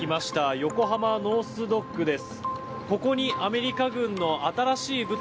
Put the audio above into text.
横浜ノース・ドックです。